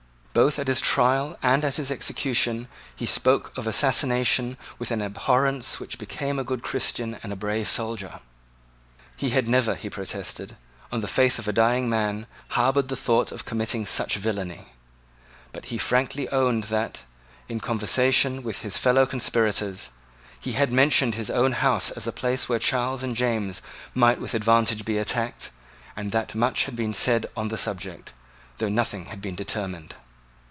Both at his trial and at his execution he spoke of assassination with the abhorrence which became a good Christian and a brave soldier. He had never, he protested, on the faith of a dying man, harboured the thought of committing such villany. But he frankly owned that, in conversation with his fellow conspirators, he had mentioned his own house as a place where Charles and James might with advantage be attacked, and that much had been said on the subject, though nothing had been determined.